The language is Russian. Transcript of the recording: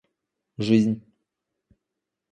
жизнь